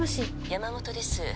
「山本です」